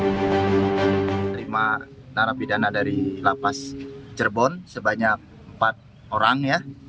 menerima narapidana dari lapas cirebon sebanyak empat orang ya